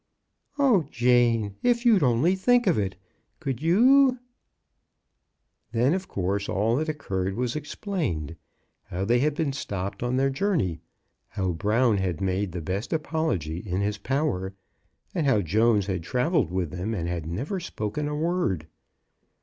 " O Jane, if you'd only think of it ! Could you ?" Then, of course, all that occurred was explained, — how they had been stopped on their journey, how Brown had made the best apology in his power, and how Jones had travelled with them and had never spoken a word.